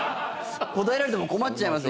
答えたくても困っちゃいますよ。